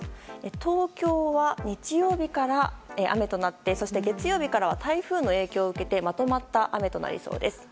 東京は日曜日から雨となってそして月曜日からは台風の影響を受けてまとまった雨となりそうです。